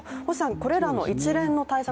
これらの一連の対策